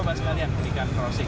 coba sekali ya pelikan crossing